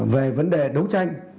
về vấn đề đấu tranh